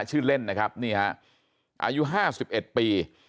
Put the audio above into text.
ชื่อเล่นนะครับนี่ฮะอายุห้าสิบเอ็ดปี